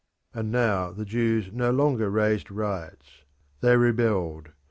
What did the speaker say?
And now the Jews no longer raised riots: they rebelled.